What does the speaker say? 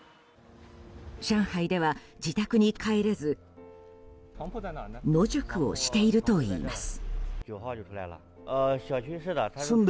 上海では、自宅に帰れず野宿をしているといいます。